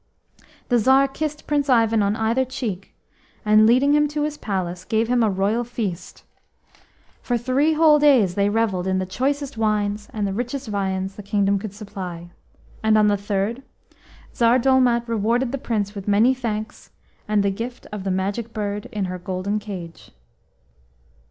The Tsar kissed Prince Ivan on either cheek and, leading him to his palace, gave him a royal feast. For three whole days they revelled in the choicest wines and the richest viands the kingdom could supply, and on the third, Tsar Dolmat rewarded the Prince with many thanks, and the gift of the Magic Bird in her golden cage.